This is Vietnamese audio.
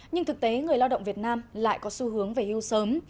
nhưng thực tế người lao động việt nam lại có xu hướng về hưu sớm